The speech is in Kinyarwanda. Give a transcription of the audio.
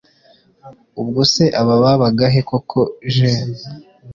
ubwo se aba babaga he koko j